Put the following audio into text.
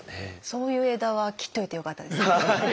そういう枝は切っといてよかったですね。